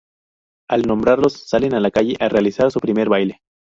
Al nombrarlos, salen a la calle a realizar su primer baile.